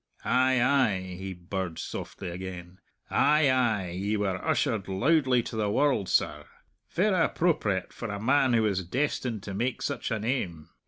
Ay, ay," he birred softly again, "ay, ay, ye were ushered loudly to the world, serr! Verra appropriate for a man who was destined to make such a name!...